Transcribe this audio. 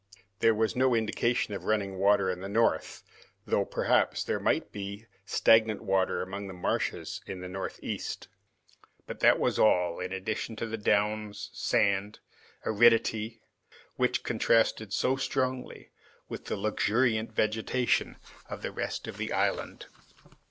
There was no indication of running water in the north, though perhaps there might be stagnant water among the marshes in the northeast; but that was all, in addition to the downs, sand, and aridity which contrasted so strongly with the luxuriant vegetation of the rest of the island.